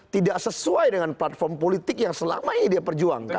tidak sesuai dengan platform politik yang selamanya dia perjuangkan